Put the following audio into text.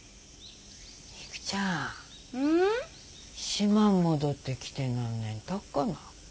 島ん戻ってきて何年たっかな？